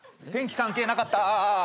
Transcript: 天気関係なかった。